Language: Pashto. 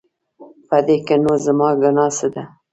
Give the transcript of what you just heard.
په دې کې نو زما ګناه څه ده؟